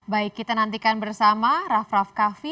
baik kita nantikan bersama raff raff kaffi